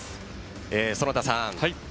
園田さん。